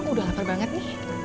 udah lapar banget nih